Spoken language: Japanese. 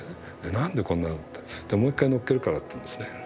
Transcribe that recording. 何でこんなって「もう一回のっけるから」と言うんですね。